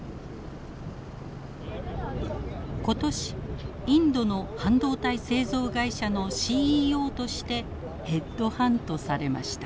今年インドの半導体製造会社のＣＥＯとしてヘッドハントされました。